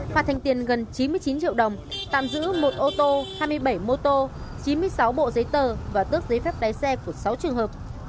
phạt thành tiền gần chín mươi chín triệu đồng tạm giữ một ô tô hai mươi bảy mô tô chín mươi sáu bộ giấy tờ và tước giấy phép lái xe của sáu trường hợp